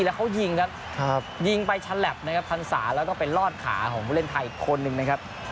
แล้วเขายิงนะครับยิงไปชันแหลปนะครับพรรษาแล้วก็เป็นรอดขาของผู้เล่นไทยคนหนึ่งนะครับ